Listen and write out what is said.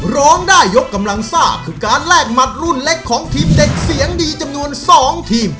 ร้องได้ยกกำลังซ่าคือการแลกหมัดรุ่นเล็กของทีมเด็กเสียงดีจำนวน๒ทีม